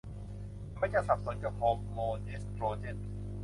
ฉันมักจะสับสนกับฮอร์โมนเอสโตรเจน